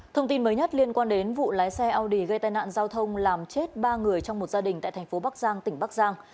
thông tin mới nhất liên quan đến vụ lái xe ao đề gây tai nạn giao thông làm chết ba người trong một gia đình tại thành phố bắc giang tỉnh bắc giang